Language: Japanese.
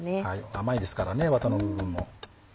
甘いですからねワタの部分も。